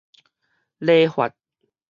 禮法